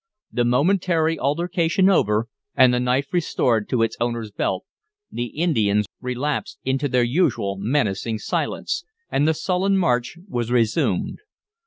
The momentary altercation over, and the knife restored to its owner's belt, the Indians relapsed into their usual menacing silence, and the sullen march was resumed.